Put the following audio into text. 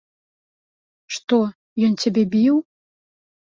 Што, ён цябе біў?